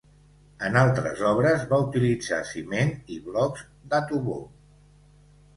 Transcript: En altres obres, va utilitzar ciment i blocs d'atovó.